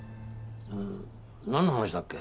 なんの話だっけ？